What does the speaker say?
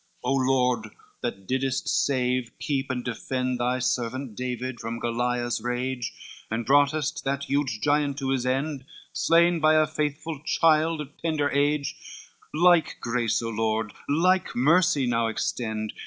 LXXVIII "O Lord, that diddest save, keep and defend Thy servant David from Goliath's rage, And broughtest that huge giant to his end, Slain by a faithful child of tender age; Like grace, O Lord, like mercy now extend!